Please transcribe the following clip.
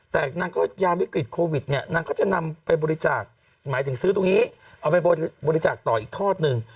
แต่นางก็ยามวิกฤตโควิดเนี่ยนางก็จะนำไปบริจาคหมายถึงซื้อตรงนี้เอาไปบริจาคต่ออีกทอดหนึ่ง